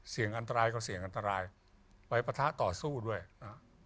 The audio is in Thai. เสี่ยงอันตรายก็เสี่ยงอันตรายไปประทะต่อสู้ด้วยนะ